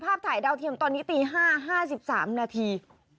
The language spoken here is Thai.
ถ่ายดาวเทียมตอนนี้ตี๕๕๓นาที